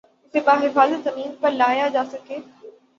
اسے بحفاظت زمین پر لایا جاسکے